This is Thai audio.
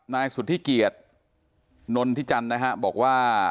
นายสุธิเกียจนนทิจันนะครับบอกว่า